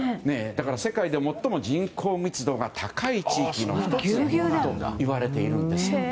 世界で最も人口密度が高い地域の１つといわれているんです。